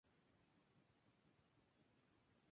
Se encuentra enterrada allí, en el cementerio Mount Royal.